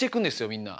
みんな。